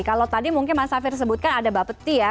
kalau tadi mungkin mas safir sebutkan ada bapeti ya